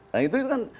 nah itu kan